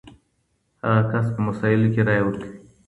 هغه کس په مسايلو کي رايه ورکوي.